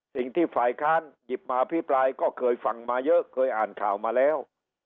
สิ่งที่ฝ่ายค้านหยิบมาอภิปรายก็เคยฟังมาเยอะเคยอ่านข่าวมาแล้ว